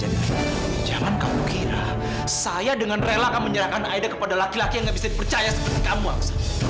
jangan kamu kira saya dengan rela akan menyerahkan aida kepada laki laki yang gak bisa dipercaya seperti kamu